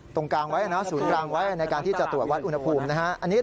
ตรงกลางไว้นะศูนย์กลางไว้ในการที่จะตรวจวัดอุณหภูมินะฮะ